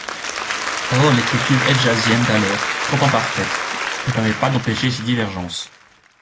Or l'écriture hedjazienne d'alors, trop imparfaite, ne permet pas d'empêcher ces divergences.